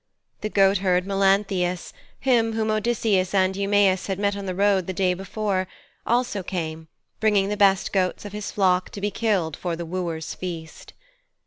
The goatherd Melanthius, him whom Odysseus and Eumæus had met on the road the day before, also came, bringing the best goats of his flock to be killed for the wooers' feast.